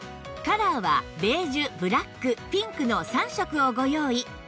カラーはベージュブラックピンクの３色をご用意